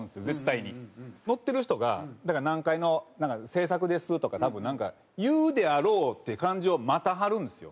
乗ってる人が「何階の制作です」とか多分なんか言うであろうっていう感じを待たはるんですよ。